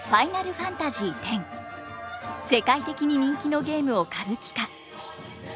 世界的に人気のゲームを歌舞伎化。